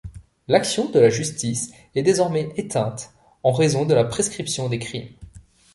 L'action de la justice est désormais éteinte, en raison de la prescription des crimes.